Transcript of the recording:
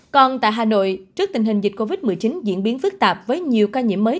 còn tại hà nội trước tình hình dịch covid một mươi chín diễn biến phức tạp với nhiều ca nhiễm mới